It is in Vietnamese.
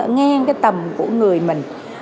ở ngang cái tầm của người miệng